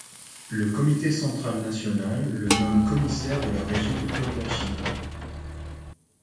Le Comité central national le nomme commissaire de la région de Podlachie.